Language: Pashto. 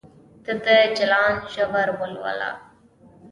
ته د جلان ژور ولوله